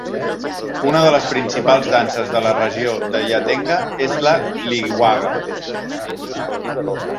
Una de les principals danses de la regió de Yatenga és la "liwaga".